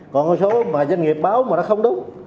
còn cái số mà doanh nghiệp báo mà nó không đúng